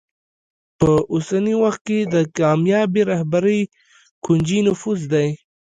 په اوسني وخت کې د کامیابې رهبرۍ کونجي نفوذ دی.